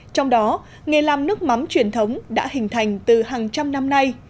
trong đó nghề làm nước mắm truyền thống đã hình thành từ hàng trăm năm nay